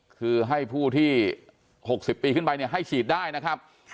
คือให้ผู้ที่๖๐ปีขึ้นไปให้ฉีดได้นะครับ